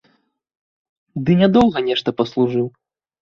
Ды нядоўга нешта паслужыў.